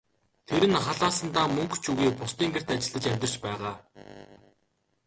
Тэр нь халаасандаа мөнгө ч үгүй, бусдын гэрт ажиллаж амьдарч байгаа.